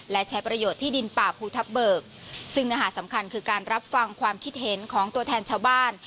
และใช้ประโยชน์ที่ดินป่าภูทับเบิกซึ่งเนื้อหาสำคัญคือการรับฟังความคิดเห็นของตัวแทนชาวบ้าน